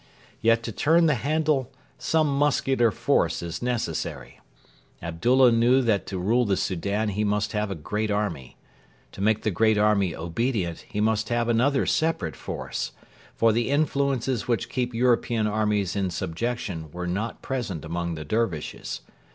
Yet to turn the handle some muscular force is necessary. Abdullah knew that to rule the Soudan he must have a great army. To make the great army obedient he must have another separate force; for the influences which keep European armies in subjection were not present among the Dervishes.